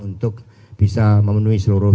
untuk bisa memenuhi seluruh